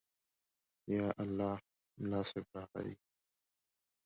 _يالله، ملا صيب راغی.